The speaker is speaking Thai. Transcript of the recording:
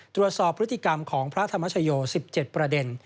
ตรวจสอบพฤติกรรมของพระธรรมชโย๑๗ประเด็น